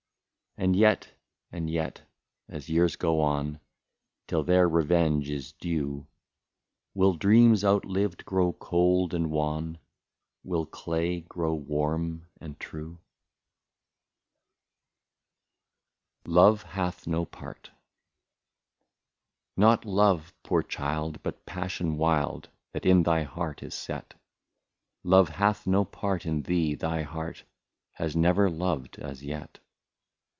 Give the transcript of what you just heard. And yet, and yet, as years go on, Till their revenge is due, Will dreams outlived grow cold and wan, Will clay grow warm and true ? i6o LOVE HATH NO PART. Not love, poor child, but passion wild, That in thy heart is set ; Love hath no part in thee, thy heart Has never loved as yet.